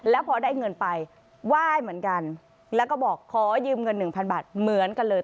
แล้วพอได้เงินไปไหว้เหมือนกันแล้วก็บอกขอยืมเงินหนึ่งพันบาทเหมือนกันเลย